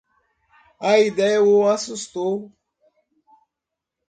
A ideia o assustou.